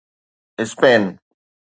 Spain